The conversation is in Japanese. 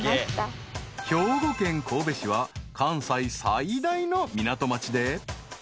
［兵庫県神戸市は関西最大の港町で］